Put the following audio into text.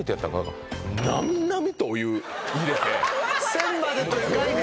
線までという概念が。